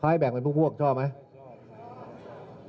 เขาให้แบ่งเป็นพวกชอบไหม